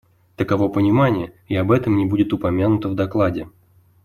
Таково понимание, и об этом не будет упомянуто в докладе.